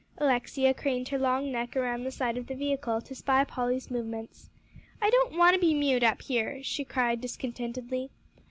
Alexia craned her long neck around the side of the vehicle, to spy Polly's movements. "I don't want to be mewed up here," she cried discontentedly.